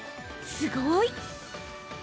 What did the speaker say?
すごい！